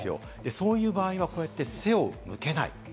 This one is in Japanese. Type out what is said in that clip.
そういう場合はこのように背を向けない。